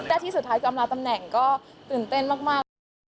แต่ที่สุดท้ายก็อำนาจตำแหน่งก็ตื่นเต้นมาก